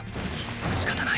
しかたない。